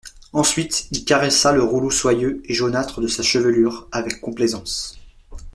Ensuite il caressa le rouleau soyeux et jaunâtre de sa chevelure, avec complaisance.